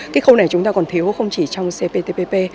cái khâu này chúng ta còn thiếu không chỉ trong cp tpp